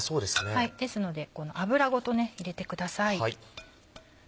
ですのでこの油ごと入れてください。